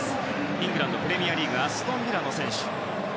イングランド・プレミアリーグアストン・ビラの選手。